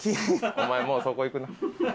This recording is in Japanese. お前もうそこ行くな。